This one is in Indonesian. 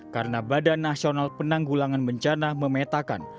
karena badan nasional penanggulangan bencana memetakan